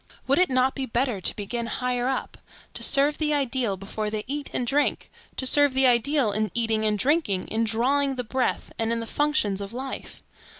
Would it not be better to begin higher up,—to serve the ideal before they eat and drink; to serve the ideal in eating and drinking, in drawing the breath, and in the functions of life?